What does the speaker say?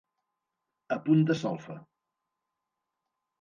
A punt de solfa.